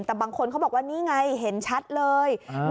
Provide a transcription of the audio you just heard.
แต่บางคนเขาบอกว่านี่ไงเห็นชัดเลย